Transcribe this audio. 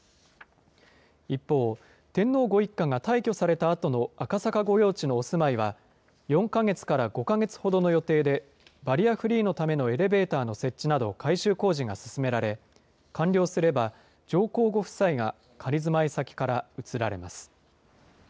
一方、天皇ご一家が退去されたあとの赤坂御用地のお住まいは、４か月から５か月ほどの予定で、バリアフリーのためのエレベーターの設置など、改修工事が進められ、完了すれば、上皇ご夫妻が仮住まい先から移られます。